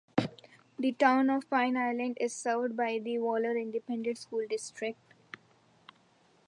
The Town of Pine Island is served by the Waller Independent School District.